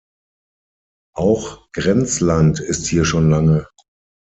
Auch Grenzland ist hier schon lange.